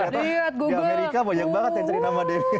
di amerika banyak banget yang cari nama demian